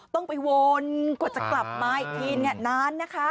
ต้องไปวนกว่าจะกลับมาอีกทีเนี่ยนานนะคะ